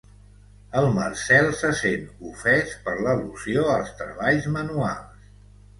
El Marcel se sent ofès per l'al·lusió als treballs manuals.